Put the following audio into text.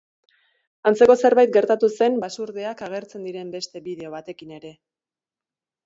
Antzeko zerbait gertatu zen basurdeak agertzen diren beste bideo batekin ere.